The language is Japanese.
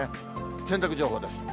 洗濯情報です。